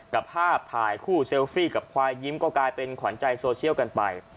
กับภาพถ่ายคู่เซลฟี่กับควายยิ้มก็กลายเป็นขวัญใจโซเชียลกันไป